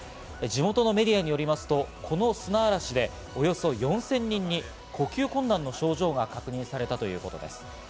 地元のメディアによりますと、この砂嵐でおよそ４０００人に呼吸困難の症状が確認されたということです。